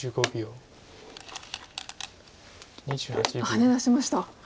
ハネ出しました。